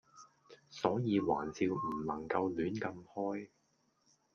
所以玩笑唔能夠亂咁開